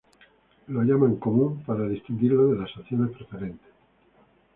Es llamado "común" para distinguirlo de las acciones preferentes.